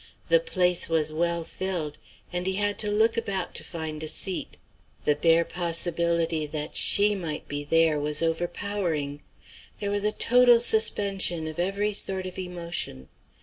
The place was well filled, and he had to look about to find a seat. The bare possibility that she might be there was overpowering. There was a total suspension of every sort of emotion.